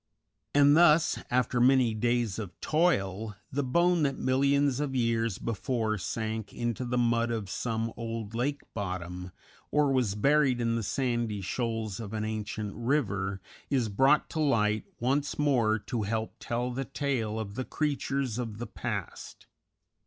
And thus, after many days of toil, the bone that millions of years before sank into the mud of some old lake bottom or was buried in the sandy shoals of an ancient river, is brought to light once more to help tell the tale of the creatures of the past.